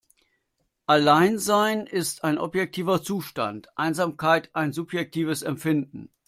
Alleinsein ist ein objektiver Zustand, Einsamkeit ein subjektives Empfinden.